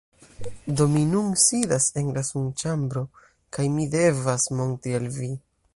Do mi nun sidas en la sunĉambro kaj mi devas montri al vi.